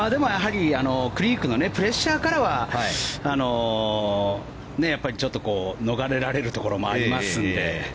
クリークのプレッシャーからは逃れられるところもありますので。